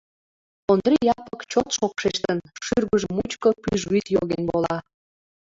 Ондри Япык чот шокшештын, шӱргыжӧ мучко пӱжвӱд йоген вола.